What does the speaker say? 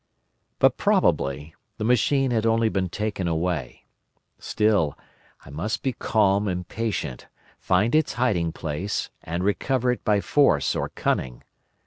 "But probably the machine had only been taken away. Still, I must be calm and patient, find its hiding place, and recover it by force or cunning.